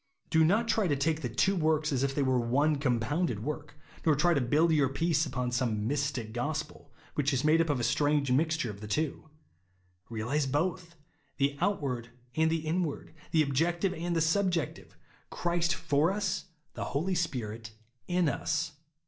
Do not take the two works as if they were one com pounded work ; nor try to build your peace upon some mystic gospel which is made up of a strange mixture of the two. Realise both, tfi3 outward and the inward ; the objective and the subjective ; Christ for us, the Holy Spirit in us.